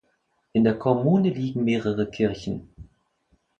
In der Kommune liegen mehrere Kirchen.